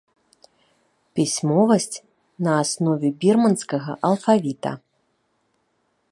Пісьмовасць на аснове бірманскага алфавіта.